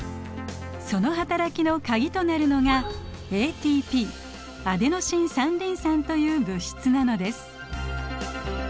その働きのカギとなるのがＡＴＰアデノシン三リン酸という物質なのです。